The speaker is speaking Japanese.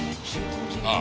ああ。